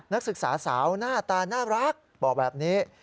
นักศึกษาสาวหน้าตาน่ารักบอกแบบนี้